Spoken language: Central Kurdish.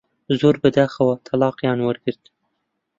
زۆر بەداخەوە تەڵاقیان وەرگرت